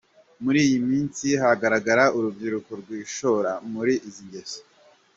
Muri iyi minsi haragaragara urubyiruko rwishora muri izi ngeso.